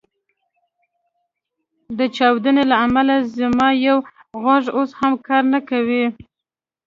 د چاودنو له امله زما یو غوږ اوس هم کار نه کوي